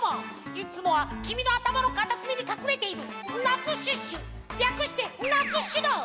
いつもはきみのあたまのかたすみにかくれているナツシュッシュりゃくしてナツッシュだ！